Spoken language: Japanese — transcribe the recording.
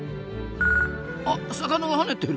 あっ魚が跳ねてる！